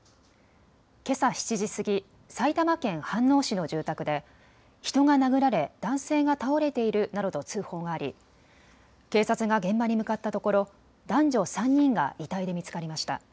けさ７時過ぎ、埼玉県飯能市の住宅で人が殴られ男性が倒れているなどと通報があり警察が現場に向かったところ、男女３人が遺体で見つかりました。